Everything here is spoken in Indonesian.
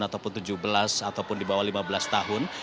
ataupun tujuh belas ataupun di bawah lima belas tahun